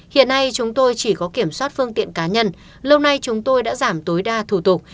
hiện nay chúng tôi chỉ có kiểm soát phương tiện cá nhân lâu nay chúng tôi đã giảm tối đa thủ tục